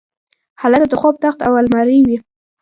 هلته د خوب تخت او المارۍ وې